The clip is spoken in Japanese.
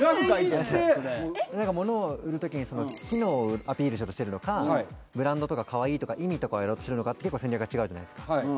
ものを売るときに、機能をアピールしようとしているのか、ブランドとか、かわいいとか、意味とかをやろうとしてるのかで、アピールするのかで、戦略が違うじゃないですか。